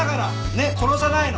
ねっ殺さないの。